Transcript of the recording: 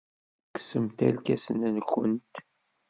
Kksemt irkasen-nwent.